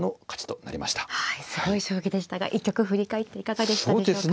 はいすごい将棋でしたが一局振り返っていかがでしたでしょうか。